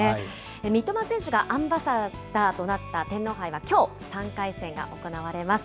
三笘選手がアンバサダーとなった天皇杯はきょう、３回戦が行われます。